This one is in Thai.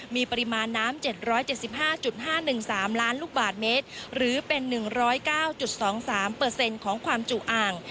มีปริมาณน้ำ๗๗๕๕๑๓ล้านลูกบาทเมตรหรือเป็น๑๐๙๒๓ของความจุอ่าง